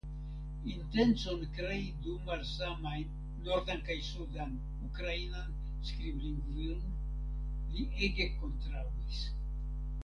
Intencon krei du malsamajn (nordan kaj sudan) ukrainan skriblingvojn li ege kontraŭis.